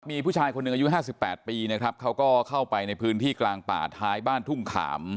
มีผู้ชายคนหนึ่งอายุ๕๘ปีนะครับเขาก็เข้าไปในพื้นที่กลางป่าท้ายบ้านทุ่งขาม